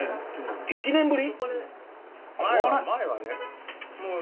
１年ぶり？